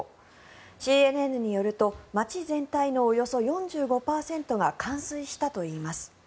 ＣＮＮによると街全体のおよそ４５％が冠水したといいます。